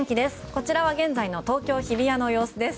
こちらは現在の東京・日比谷の様子です。